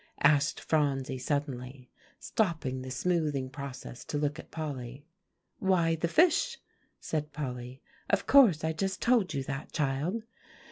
asked Phronsie suddenly, stopping the smoothing process to look at Polly. "Why, the fish," said Polly, "of course. I just told you that, child."